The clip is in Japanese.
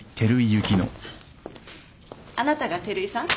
あなたが照井さん？